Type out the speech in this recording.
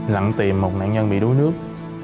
lặn tìm một nạn nhân bị đuối nước